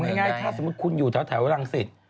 ง่ายถ้าสมมุติคุณอยู่แถวรังสิต